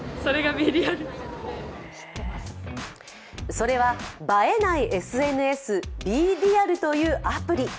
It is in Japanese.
それは、映えないＳＮＳ、ＢｅＲｅａｌ．というアプリ。